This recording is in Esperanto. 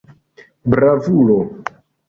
Bravulo!